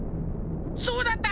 そうだった！